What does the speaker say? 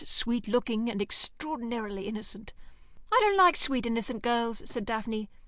Sweet looking, and extraordinarily innocent." "I don't like sweet innocent girls," said Daphne.